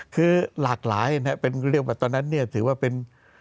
คือหลากหลายเรียกว่าตอนนั้นถือว่าเป็น